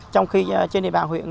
trong khi trên địa bàn huyện